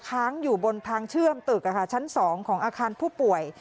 ค้างอยู่บนทางเชื่อมตึกชั้น๒ของอาคารผู้ป่วย